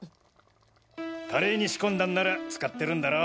カレーに仕込んだんなら使ってるんだろ？